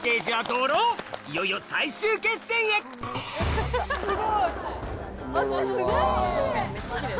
いよいよ最終決戦へすごいキレイ。